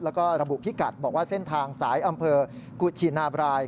แล้วก็ระบุพิกัดบอกว่าเส้นทางสายอำเภอกุชินาบราย